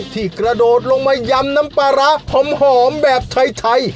กระโดดลงมายำน้ำปลาร้าหอมแบบไทย